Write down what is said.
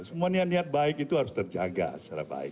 semua niat niat baik itu harus terjaga secara baik